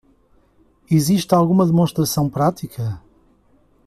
Existe alguma demonstração prática?